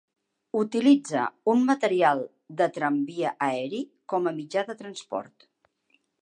Utilitza un material de tramvia aeri com a mitjà de transport.